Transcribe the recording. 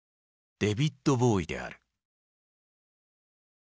デヴィッド・ボウイである。